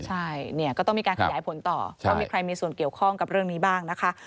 ใช่เนี่ยก็ต้องมีการขยายผลต่อว่ามีใครมีส่วนเกี่ยวข้องกับเรื่องนี้บ้างนะคะ